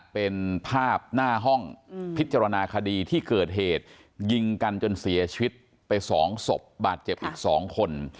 เป็นภาพหน้าห้องพิจารณาคดีที่เกิดเหตุยิงกันจนเสียชีวิตไป๒ศพบาดเจ็บอีก๒คน